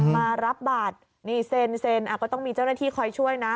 มารับบัตรนี่เซ็นก็ต้องมีเจ้าหน้าที่คอยช่วยนะ